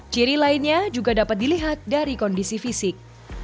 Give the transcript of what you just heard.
ciri lainnya juga dapat dilihat dari kondisi fisik